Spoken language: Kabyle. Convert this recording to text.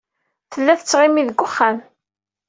Tella tettɣimi deg wexxam.